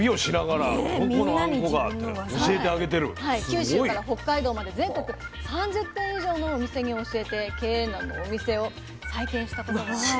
九州から北海道まで全国３０店以上のお店に教えて経営難のお店を再建したこともあるんです。